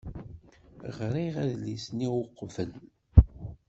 Ɣriɣ adlis-nni uqbel.